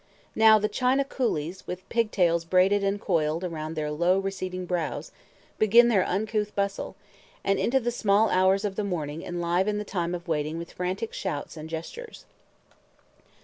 Now the China coolies, with pigtails braided and coiled round their low, receding brows, begin their uncouth bustle, and into the small hours of the morning enliven the time of waiting with frantic shouts and gestures.